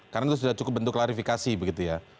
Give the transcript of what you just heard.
karena itu sudah cukup bentuk klarifikasi begitu ya